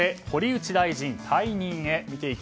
堀内大臣、退任へ。